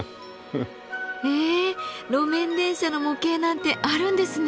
へえ路面電車の模型なんてあるんですね。